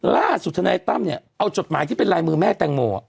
ทนายตั้มเนี่ยเอาจดหมายที่เป็นลายมือแม่แตงโม